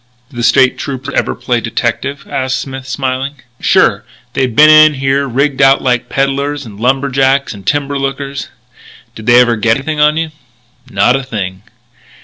"Do the State Troopers ever play detective?" asked Smith, smiling. "Sure. They've been in here rigged out like peddlers and lumber jacks and timber lookers." "Did they ever get anything on you?" "Not a thing."